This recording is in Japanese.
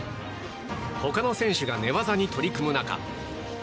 他の選手が寝技に取り組む中